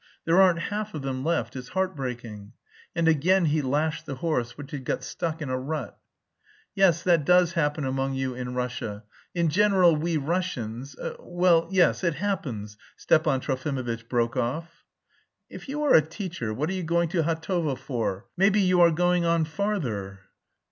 There aren't half of them left, it's heartbreaking." And again he lashed the horse, which had got stuck in a rut. "Yes, that does happen among you in Russia... in general we Russians... Well, yes, it happens," Stepan Trofimovitch broke off. "If you are a teacher, what are you going to Hatovo for? Maybe you are going on farther."